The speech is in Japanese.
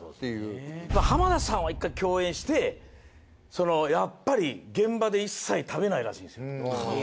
浜田さんは１回共演してやっぱり現場で一切食べないらしいです。